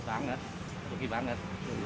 ragi banget rugi banget